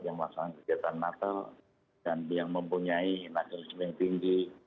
yang melaksanakan kegiatan natal dan yang mempunyai nasionalisme yang tinggi